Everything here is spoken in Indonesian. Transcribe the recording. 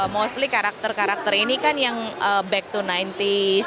mostly karakter karakter ini kan yang back to sembilan puluh